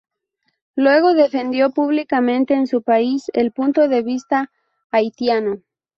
Luego defendió públicamente en su país el punto de vista haitiano.